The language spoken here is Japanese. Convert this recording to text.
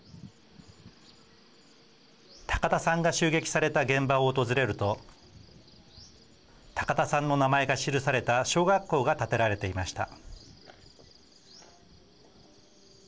高田さんが襲撃された現場を訪れると高田さんの名前が記された小学校が建てられていました。